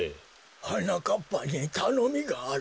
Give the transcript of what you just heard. はなかっぱにたのみがある。